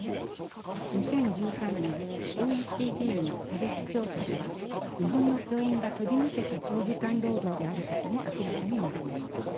２０１３年ＯＥＣＤのＴＡＬＩＳ調査では日本の教員が飛び抜けて長時間労働であることも明らかになりました。